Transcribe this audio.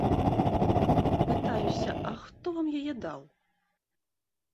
Пытаюся, а хто вам яе даў?